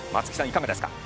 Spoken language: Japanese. いかがですか？